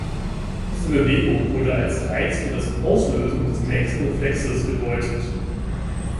Diese Bewegung wurde als Reiz für das Auslösen des nächsten Reflexes gedeutet.